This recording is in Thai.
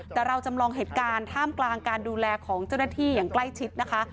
แต่เราจำลองเหตุการณ์ท่ามกลางการดูแลของเจ้าหน้าที่อย่างใกล้ชิดนะคะ